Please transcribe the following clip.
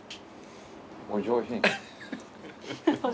お上品。